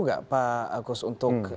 nggak pak agus untuk